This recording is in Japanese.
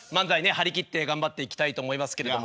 張り切って頑張っていきたいと思いますけれども。